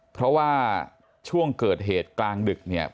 เพราะว่าช่วงเกิดเหตุกลางดึกเนี่ย